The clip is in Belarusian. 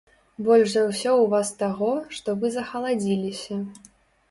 Больш за ўсё ў вас таго, што вы захаладзіліся.